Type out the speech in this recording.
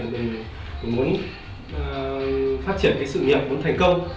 mình muốn phát triển sự nghiệp muốn thành công